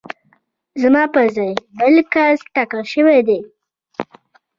زما په ځای بل کس ټاکل شوی دی